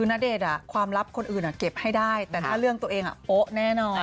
ณเดชน์ความลับคนอื่นเก็บให้ได้แต่ถ้าเรื่องตัวเองโป๊ะแน่นอน